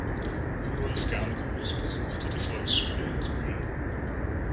Rudolf Gerngroß besuchte die Volksschule in Suhl.